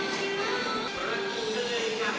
สวัสดีครับ